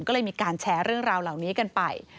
ก็เลยมีการแชร์เรื่องราวเหล่านี้กันไป